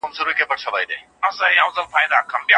هغه سړی اوس په روسيه کې په ارامه ژوند کوي.